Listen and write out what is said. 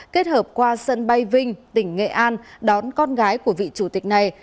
kết hợp qua sân bay vinh tỉnh nghệ an đón con gái của vị chủ tịch này